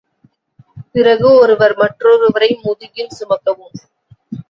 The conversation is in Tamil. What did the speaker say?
பிறகு ஒருவர் மற்றொருவரை முதுகில் சுமக்கவும்.